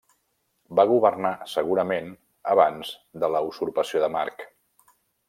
Va governar segurament abans de la usurpació de Marc.